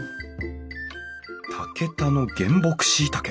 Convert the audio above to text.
竹田の原木しいたけ。